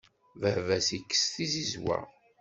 Baba-s ikess tizizwa.